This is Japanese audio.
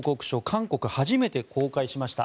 韓国、初めて公開しました。